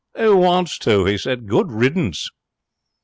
'Who wants to?' he said. 'Good riddance!'